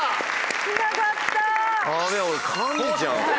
つながった。